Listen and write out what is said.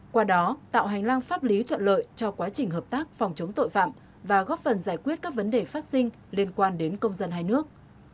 qua đó tạo hành lang pháp lý thuận lợi cho quá trình hợp tác phòng chống tội phạm và góp phần giải quyết các vấn đề phát sinh liên quan đến công dân hai nước